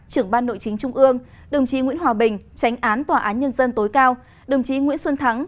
trưởng ban nội chính trung ương đồng chí nguyễn hòa bình tránh án tòa án nhân dân tối cao đồng chí nguyễn xuân thắng